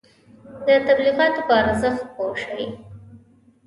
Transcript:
د تبلیغاتو په ارزښت پوه شئ.